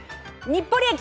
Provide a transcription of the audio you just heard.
「日暮里駅」